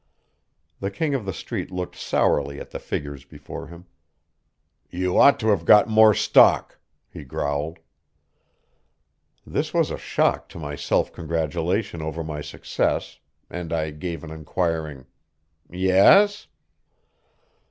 The King of the Street looked sourly at the figures before him. "You ought to have got more stock," he growled. This was a shock to my self congratulation over my success, and I gave an inquiring "Yes?"